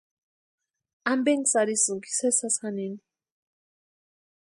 ¿Ampeksï arhisïnki sasasï janini?